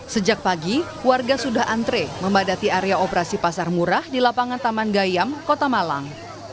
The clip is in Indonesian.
sejak pagi warga sudah antre membadati area operasi pasar murah di lapangan taman gayam kota malang